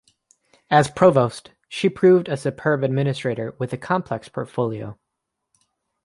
As provost, she proved a superb administrator with a complex portfolio.